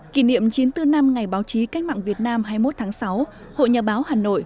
kỷ niệm chín mươi bốn năm ngày báo chí cách mạng việt nam hai mươi một tháng sáu hội nhà báo hà nội